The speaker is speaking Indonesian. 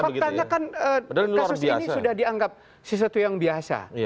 faktanya kan kasus ini sudah dianggap sesuatu yang biasa